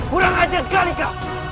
kurang ajar sekali kau